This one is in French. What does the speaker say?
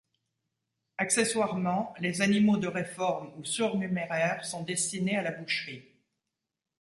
Accessoirement, les animaux de réforme ou surnuméraires sont destinés à la boucherie.